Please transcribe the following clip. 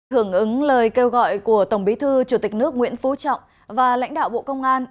hưởng ứng lời kêu gọi của tổng bí thư chủ tịch nước nguyễn phú trọng và lãnh đạo bộ công an